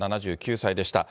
７９歳でした。